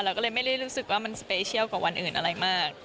เราก็เลยไม่ได้รู้สึกว่ามันสเปเชียลกับวันอื่นอะไรมาก